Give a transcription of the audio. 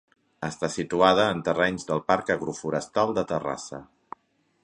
Està situada en terrenys del Parc Agroforestal de Terrassa.